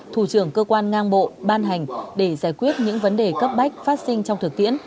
thủ trưởng cơ quan ngang bộ ban hành để giải quyết những vấn đề cấp bách phát sinh trong thực tiễn